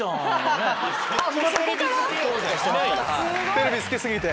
テレビ好き過ぎて！